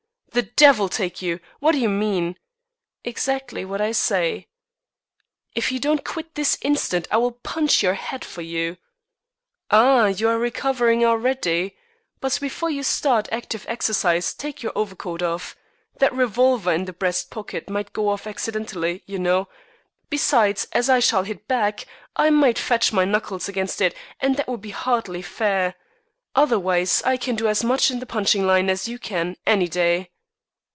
"The devil take you! What do you mean?" "Exactly what I say." "If you don't quit this instant I will punch your head for you." "Ah! You are recovering already. But before you start active exercise take your overcoat off. That revolver in the breast pocket might go off accidentally, you know. Besides, as I shall hit back, I might fetch my knuckles against it, and that would be hardly fair. Otherwise, I can do as much in the punching line as you can, any day."